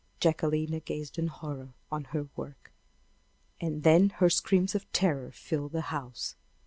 Jacquelina gazed in horror on her work. And then her screams of terror filled the house!